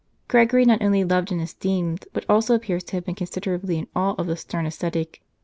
Gregory not only loved and esteemed, but also appears to have been considerably in awe of the stern ascetic.